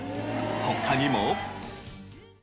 他にも。